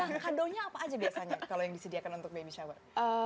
nah kadonya apa aja biasanya kalau yang disediakan untuk baby shower